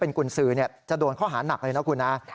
เพราะว่ามีทีมนี้ก็ตีความกันไปเยอะเลยนะครับ